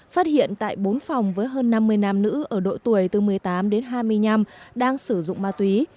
phát hiện tại bốn phòng với hơn năm mươi nam nữ ở độ tuổi từ một mươi tám đến hai mươi năm đang sử dụng ma túy